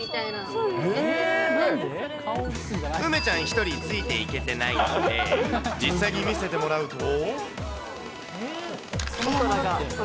梅ちゃん１人、ついていけてないので、実際に見せてもらうと。